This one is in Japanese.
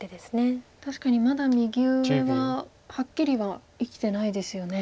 確かにまだ右上ははっきりは生きてないですよね。